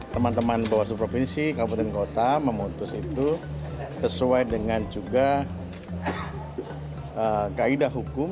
teman teman bawaslu provinsi kabupaten kota memutus itu sesuai dengan juga kaidah hukum